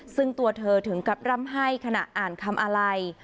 ซึ่งตัวเธอถึงกับร่ำไห้ขณะอ่านคำอะไร